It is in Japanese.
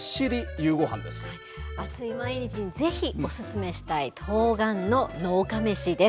ゆう５飯暑い毎日にぜひ、お勧めしたいとうがんの農家飯です。